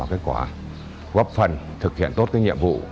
góp phần thực hiện tốt cái nhiệm vụ